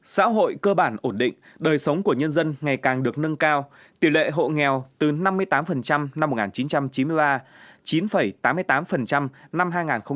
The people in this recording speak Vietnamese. xã hội cơ bản ổn định đời sống của nhân dân ngày càng được nâng cao tỷ lệ hộ nghèo từ năm mươi tám năm một nghìn chín trăm chín mươi ba chín tám mươi tám năm hai nghìn một mươi tám